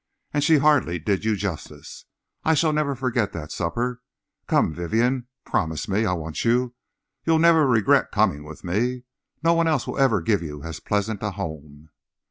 And she hardly did you justice. I shall never forget that supper. Come, Vivienne, promise me. I want you. You'll never regret coming with me. No one else will ever give you as pleasant a home."